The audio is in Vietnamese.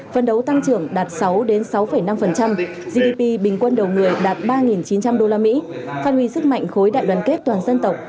phân đấu tăng trưởng đạt sáu sáu năm gdp bình quân đầu người đạt ba chín trăm linh usd phát huy sức mạnh khối đại đoàn kết toàn dân tộc